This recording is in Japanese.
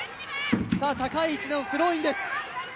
高い位置のスローインです。